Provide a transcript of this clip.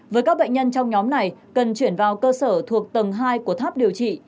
với các bệnh nhân trong nhóm này cần chuyển vào cơ sở thuộc tầng hai của tháp điều trị